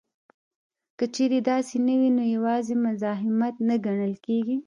که چېرې داسې نه وي نو یوازې مزاحمت نه ګڼل کیږي